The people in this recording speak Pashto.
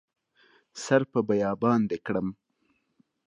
سر په بیابان دې کړم